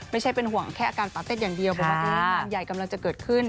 ไม่ใช่เป็นห่วงแค่อาการปาเต้นอย่างเดียวบอกว่างานใหญ่กำลังจะเกิดขึ้น